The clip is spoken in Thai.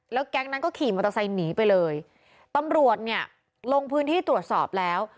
แก๊งนั้นก็ขี่มอเตอร์ไซค์หนีไปเลยตำรวจเนี่ยลงพื้นที่ตรวจสอบแล้ว